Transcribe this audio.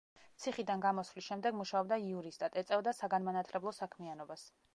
ციხიდან გამოსვლის შემდეგ მუშაობდა იურისტად, ეწეოდა საგანმანათლებლო საქმიანობას.